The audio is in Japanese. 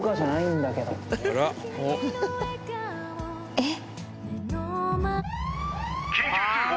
えっ？